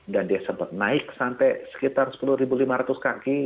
dan dia sempat naik sampai sekitar sepuluh lima ratus kaki